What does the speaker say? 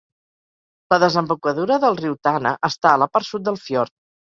La desembocadura del riu Tana està a la part sud del fiord.